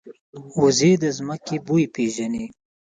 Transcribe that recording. وزې د ځمکې بوی پېژني